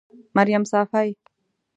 مريم صافۍ